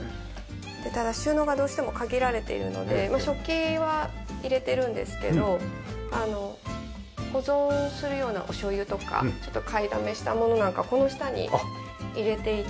ただ収納がどうしても限られているので食器は入れてるんですけど保存するようなお醤油とかちょっと買いだめしたものなんかはこの下に入れていて。